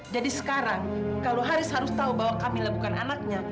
jadi sekarang kalau haris harus tahu bahwa kamila bukan anaknya